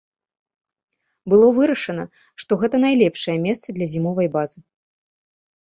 Было вырашана, што гэта найлепшае месца для зімовай базы.